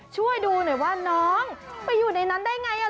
ช่วยดูหน่อยว่าน้องไปอยู่ในนั้นได้ไง